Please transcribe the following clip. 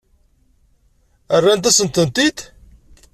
Rrant-asent-tent-id?